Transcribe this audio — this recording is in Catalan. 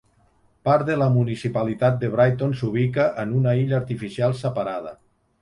Part de la municipalitat de Brighton s'ubica en una illa artificial separada.